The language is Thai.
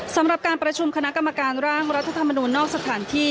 สำหรับการประชุมคณะกรรมการร่างรัฐธรรมนูลนอกสถานที่